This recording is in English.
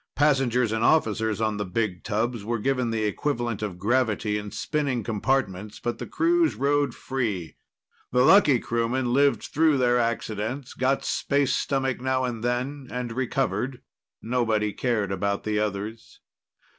Passengers and officers on the big tubs were given the equivalent of gravity in spinning compartments, but the crews rode "free". The lucky crewmen lived through their accidents, got space stomach now and then, and recovered. Nobody cared about the others.